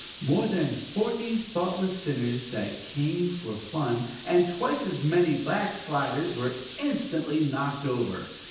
more than forty thoughtless sinners that came for fun, and twice as many backsliders were instantly knocked over!